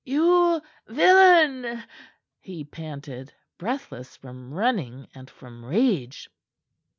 "You villain!" he panted, breathless from running and from rage.